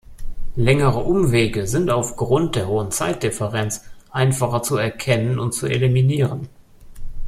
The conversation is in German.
Längere Umwege, sind aufgrund der hohen Zeitdifferenz einfacher zu erkennen und zu eliminieren.